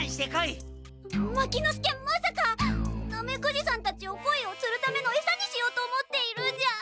牧之介まさかナメクジさんたちをコイをつるためのえさにしようと思っているんじゃ。